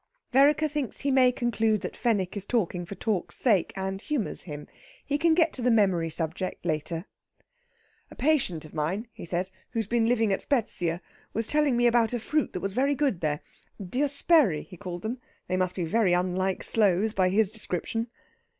Vereker thinks he may conclude that Fenwick is talking for talk's sake, and humours him. He can get to the memory subject later. "A patient of mine," he says, "who's been living at Spezzia, was telling me about a fruit that was very good there, diosperi he called them. They must be very unlike sloes by his description."